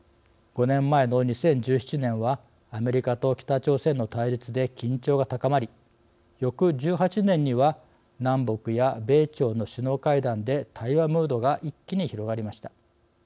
５年前の２０１７年はアメリカと北朝鮮の対立で緊張が高まり翌１８年には南北や米朝の首脳会談で対話ムードが一気に広がりました。